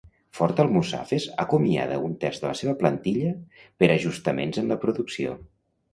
Ford Almussafes acomiada un terç de la seva plantilla per ajustaments en la producció.